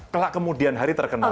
kelak kemudian hari terkenal